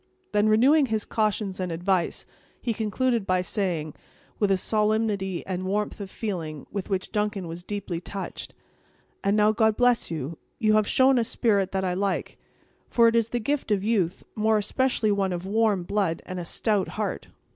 Then, renewing his cautions and advice, he concluded by saying, with a solemnity and warmth of feeling, with which Duncan was deeply touched: "And, now, God bless you! You have shown a spirit that I like; for it is the gift of youth, more especially one of warm blood and a stout heart.